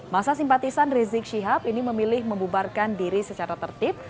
masa simpatisan rizik syihab ini memilih membubarkan diri secara tertib